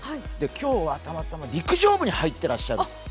今日は、たまたま陸上部に入っていらっしゃる。